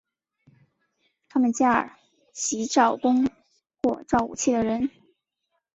卡曼加尔即造弓或造武器的人。